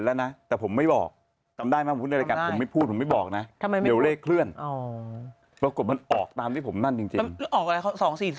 แล้วสองสีได้ยังไงอ่ะคะสองสีก็ไม่ได้สิสองสีผมซื้อตัลลี่ไม่ได้สิ